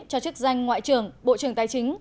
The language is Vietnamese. cho chức danh ngoại trưởng bộ trưởng tài chính